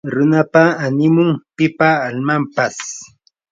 runapa animun; pipa almanpas